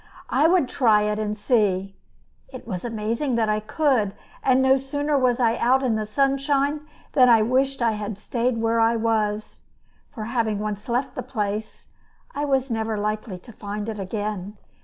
I would try it and see. It was amazing that I could; and no sooner was I out in the sunshine than I wished I had stayed where I was; for having once left the place, I was never likely to find it again.